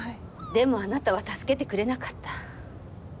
でもあなたは助けてくれなかった。